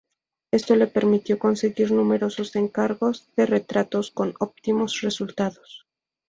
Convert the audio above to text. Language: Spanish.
Esto le permitió conseguir numerosos encargos de retratos, con óptimos resultados.